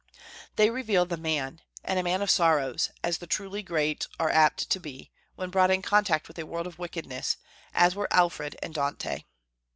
They reveal the man, and a man of sorrows, as the truly great are apt to be, when brought in contact with a world of wickedness, as were Alfred and Dante.